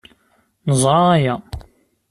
Neẓra aya.